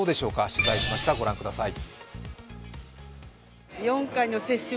取材しました、ご覧ください。